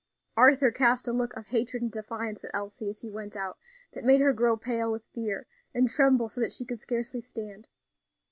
Arthur cast a look of hatred and defiance at Elsie as he went out, that made her grow pale with fear and tremble so that she could scarcely stand.